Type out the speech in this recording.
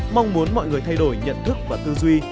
mong muốn mọi người thay đổi nhận thức và tư duy